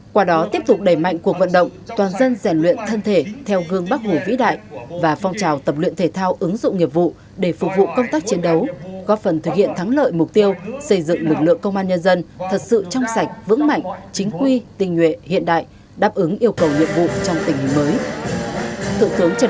qua đó tiếp tục đẩy mạnh cuộc vận động toàn dân rèn luyện thân thể theo gương bắc hồ vĩ đại và phong trào tập luyện thể thao ứng dụng nghiệp vụ để phục vụ công tác chiến đấu góp phần thực hiện thắng lợi mục tiêu xây dựng lực lượng công an nhân dân thật sự trong sạch vững mạnh chính quy tình nguyện hiện đại đáp ứng yêu cầu nhiệm vụ trong tình hình mới